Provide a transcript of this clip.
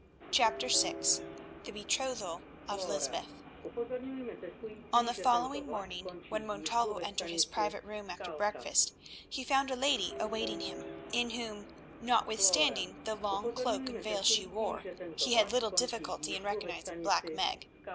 CHAPTER VI THE BETROTHAL OF LYSBETH On the following morning when Montalvo entered his private room after breakfast, he found a lady awaiting him, in whom, notwithstanding the long cloak and veil she wore, he had little difficulty in recognising Black Meg.